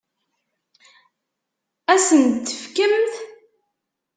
Ad as-ten-tefkemt?